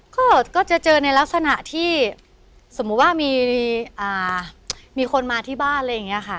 ก็จะเจอในลักษณะที่สมมุติว่ามีคนมาที่บ้านอะไรอย่างนี้ค่ะ